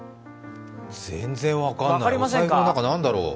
全然分からない。